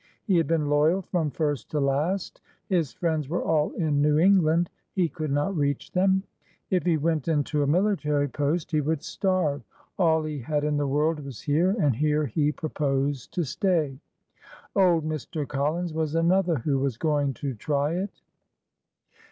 He had been loyal from first to last. His friends were all in New England ; he could not reach them. If he went into a military post 296 "DARK SKINNED WHITE LADY" 297 he would starve. All he had in the world was here, and here he proposed to stay. Old Mr. Collins was another who was going to try it.